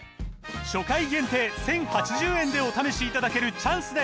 初回限定１，０８０円でお試しいただけるチャンスです